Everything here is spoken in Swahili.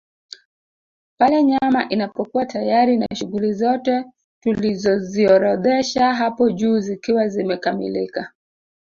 Pale nyama inapokuwa tayari na shughuli zote tulizoziorodhesha hapo juu zikiwa zimekamilika